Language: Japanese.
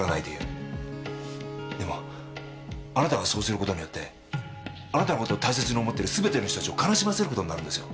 でもあなたがそうする事によってあなたの事を大切に思ってる全ての人たちを悲しませる事になるんですよ。